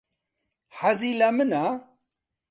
حەزی لە منە؟